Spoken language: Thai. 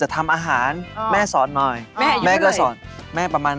ชอบมีบ้างครับ